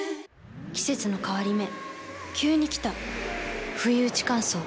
季節の変わり目急に来たふいうち乾燥。